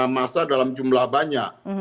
masa dalam jumlah banyak